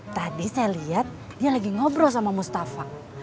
tadi saya lihat dia lagi ngobrol sama mustafa